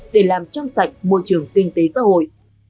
để làm trong sạch môi trường kinh tế xã hội